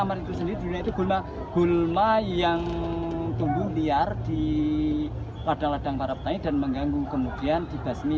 ada sebuah kebun yang berbeda dengan kebun yang dikembangkan